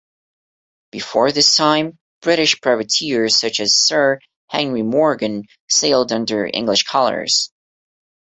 Before this time, British privateers such as Sir Henry Morgan sailed under English colours.